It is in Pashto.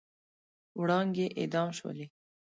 وړانګې اعدام شولې